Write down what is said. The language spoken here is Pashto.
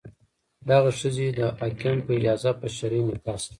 دغې ښځې د حاکم په اجازه په شرعي نکاح سره.